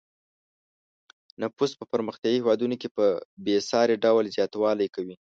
نفوس په پرمختیايي هېوادونو کې په بې ساري ډول زیاتوالی کوي.